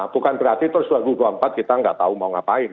bukan berarti terus dua ribu dua puluh empat kita nggak tahu mau ngapain